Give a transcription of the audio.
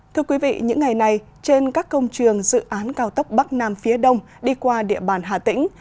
thưa quý vị những ngày này trên các công trường dự án cao tốc bắc nam phía đông đi qua địa bàn hà tĩnh